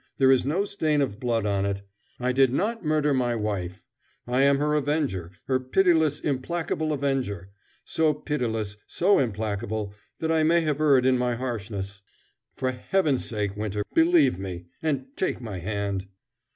There is no stain of blood on it. I did not murder my wife. I am her avenger, her pitiless, implacable avenger so pitiless, so implacable, that I may have erred in my harshness. For Heaven's sake, Winter, believe me, and take my hand!"